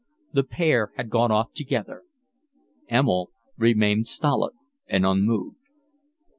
The pair had gone off together. Emil remained stolid and unmoved.